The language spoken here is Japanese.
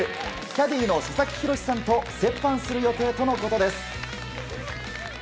キャディーのササキ・ヒロシさんと折半する予定とのことです。